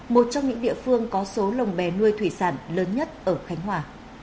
một trong những địa phương có số lồng bè nuôi thủy sản lớn nhất ở khánh hòa